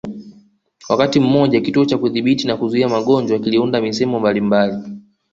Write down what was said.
Wakati mmoja Kituo cha Kudhibiti na Kuzuia Magonjwa kiliunda misemo mbalimbali